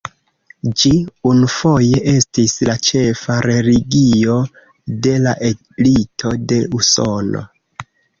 Ĝi unufoje estis la ĉefa religio de la elito de Usono.